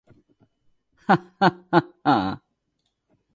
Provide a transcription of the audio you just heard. হাঃ হাঃ হাঃ হাঃ!